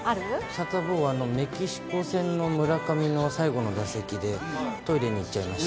サタボーは、メキシコ戦の村上の最後の打席でトイレに行っちゃいました。